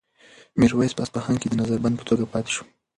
میرویس په اصفهان کې د نظر بند په توګه پاتې شو.